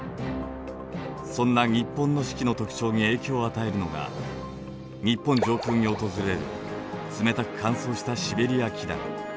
そんな日本の四季の特徴に影響を与えるのが日本上空に訪れる冷たく乾燥したシベリア気団